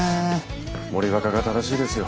森若が正しいですよ。